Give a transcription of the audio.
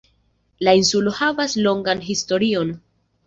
La insulo havas longan historion.